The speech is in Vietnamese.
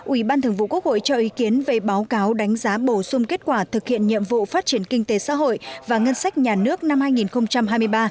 ủy ban thường vụ quốc hội cho ý kiến về báo cáo đánh giá bổ sung kết quả thực hiện nhiệm vụ phát triển kinh tế xã hội và ngân sách nhà nước năm hai nghìn hai mươi ba